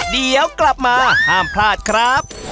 เดี๋ยวกลับมาห้ามพลาดครับ